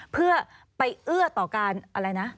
เพื่อไปเอื้อต่อการอะไรนะ